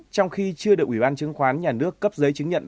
trong khi chưa được ủy ban chứng khoán nhà nước cấp giấy chứng nhận